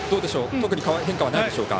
特に変化はないでしょうか。